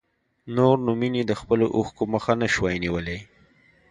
نور نو مينې د خپلو اوښکو مخه نه شوای نيولی.